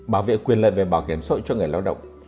bảo vệ quyền lợi về bảo hiểm xã hội cho người lao động